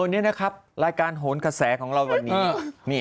วันนี้นะครับรายการโหนกระแสของเราวันนี้